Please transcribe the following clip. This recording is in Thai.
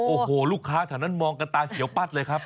โอ้โหลูกค้าแถวนั้นมองกันตาเขียวปั๊ดเลยครับ